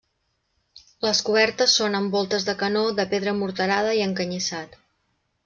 Les cobertes són amb voltes de canó de pedra morterada i encanyissat.